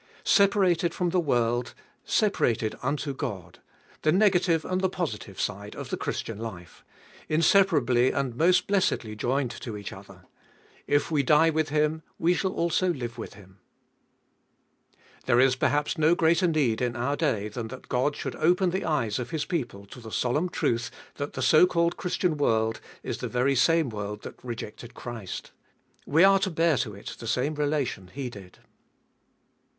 1. Separated from the world, separated unto God— the negative and the positive side of the Christian life ; Inseparably and most blessedly joined to each other. If we die with Him we shall also live with Him. 2. There is perhaps no greater need in our day than that Ood should open the eyes of His people to the solemn truth that the so called Christian world is the very same world that rejected Christ. We are to bear to it the same relation He did.